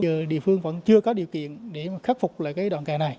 giờ địa phương vẫn chưa có điều kiện để mà khắc phục lại cái đoạn kè này